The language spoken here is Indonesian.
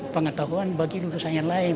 pengetahuan bagi lulusan lain